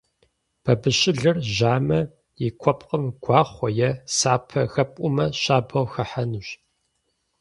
Бабыщылыр жьамэ, и куэпкъым гуахъуэ е сапэ хэпӀумэ щабэу хыхьэнущ.